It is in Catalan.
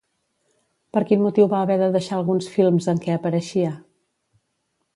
Per quin motiu va haver de deixar alguns films en què apareixia?